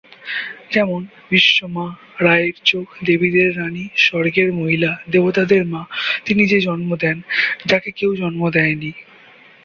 যেমনঃ বিশ্ব মা, রা এর চোখ, দেবীদের রাণী, স্বর্গের মহিলা, দেবতাদের মা, তিনি যে জন্ম দেন, যাকে কেউ জন্ম দেয়নি।